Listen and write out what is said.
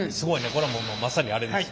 これはもうまさにあれです。